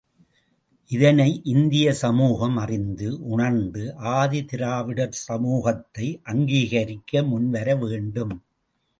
இதனை இந்திய சமூகம் அறிந்து, உணர்ந்து ஆதி திராவிடர் சமூகத்தை அங்கீகரிக்க முன்வர வேண்டும்.